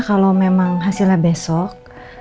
kalau memang hasilnya besok